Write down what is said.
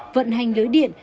vận hành lưới điện